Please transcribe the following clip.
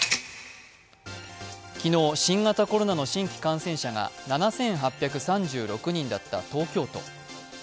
昨日、新型コロナの新規感染者が７８３６人だった東京都。